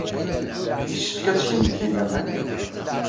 Yessefk ad tgem deg-i laman.